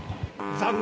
残念！